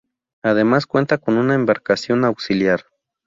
Además cuenta con una embarcación auxiliar.